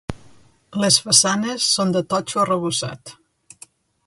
Les façanes són de totxo arrebossat.